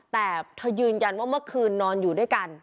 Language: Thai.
แต่เธอยืนยันว่าเมื่อคืนนอนอยู่ด้วยกัน